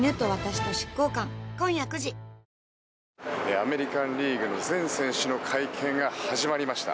アメリカン・リーグの全選手の会見が始まりました。